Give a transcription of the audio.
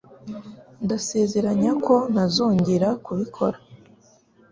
Ndasezeranya ko ntazongera kubikora.